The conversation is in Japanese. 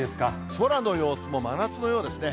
空の様子も真夏のようですね。